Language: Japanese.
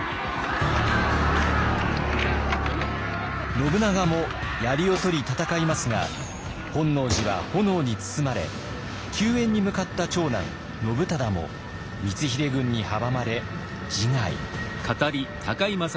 信長もやりを取り戦いますが本能寺は炎に包まれ救援に向かった長男信忠も光秀軍に阻まれ自害。